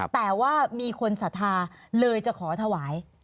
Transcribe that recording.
แต่ว่ามีคนศรัทธาเลยจะขอถวาย